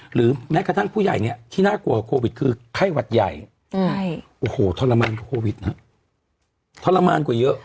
หรือแม้กระทั่งผู้ใหญ่เนี่ยที่น่ากลัวกว่าโควิดคือไข้หวัดใหญ่โอ้โหทรมานกับโควิดฮะทรมานกว่าเยอะ